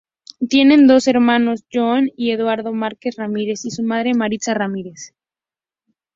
Tiene dos hermanos John y Eduardo Márquez Ramírez y su madre Maritza Ramírez.